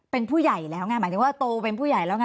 เป็นผู้ใหญ่หมายถึงโตเป็นผู้ใหญ่แล้ว